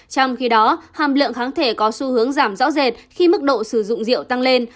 trong khi đó hàm lượng kháng thể có xu hướng giảm rõ rệt khi mức độ sử dụng rượu tăng lên